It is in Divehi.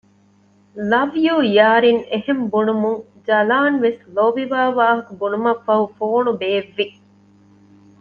ލަވް ޔޫ ޔާރިން އެހެން ބުނުމުން ޖަލާންވެސް ލޯބިވާ ވާހަކަ ބުނުމަށްފަހު ފޯނު ބޭއްވި